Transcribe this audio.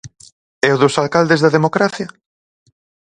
E o dos alcaldes da democracia?